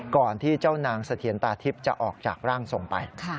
ก่อนที่เจ้านางสะเทียนตาทิพย์จะออกจากร่างส่งไป